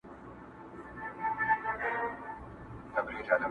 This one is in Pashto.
څه همت څه ارادې څه حوصلې سه،